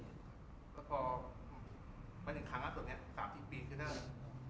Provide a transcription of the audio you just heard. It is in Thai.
ก็พอไปถึงครั้งแล้วตรงนี้๓๐๒๐ปีใช่ไหม